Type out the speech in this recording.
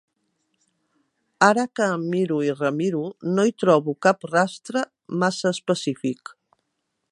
Ara que em miro i remiro, no hi trobo cap rastre massa específic.